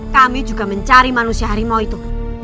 kami juga mencari manusia harimau itu